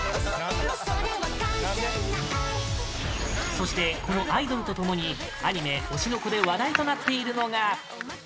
そしてこの「アイドル」と共にアニメ「推しの子」で話題となっているのが